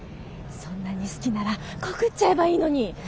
そんなに好きなら告っちゃえばいいのに。